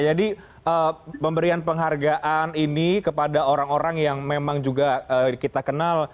jadi pemberian penghargaan ini kepada orang orang yang memang juga kita kenal